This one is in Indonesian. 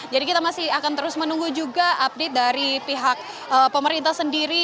jadi kita masih akan terus menunggu juga update dari pihak pemerintah sendiri